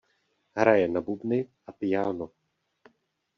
Hraje na bubny a piáno.